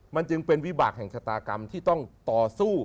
มันจึงเป็นวิบากแห่งชะตากรรมที่ต้องต่อสู้